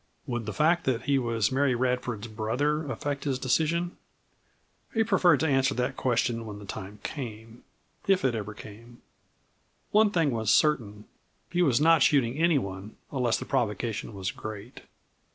Would the fact that he was Mary Radford's brother affect his decision? He preferred to answer that question when the time came if it ever came. One thing was certain; he was not shooting anyone unless the provocation was great.